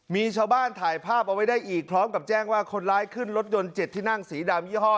มีชาวบ้านถ่ายภาพเอาไว้ได้อีกพร้อมกับแจ้งว่าคนร้ายขึ้นรถยนต์๗ที่นั่งสีดำยี่ห้อ